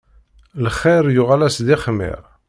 Lxir yuɣal-as d ixmir.